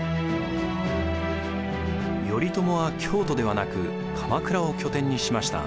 頼朝は京都ではなく鎌倉を拠点にしました。